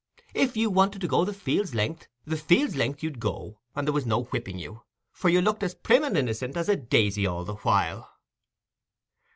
If you wanted to go the field's length, the field's length you'd go; and there was no whipping you, for you looked as prim and innicent as a daisy all the while."